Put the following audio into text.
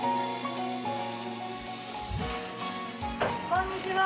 こんにちは。